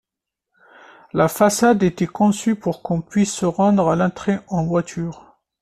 La façade était conçue pour qu'on puisse se rendre à l'entrée en voiture.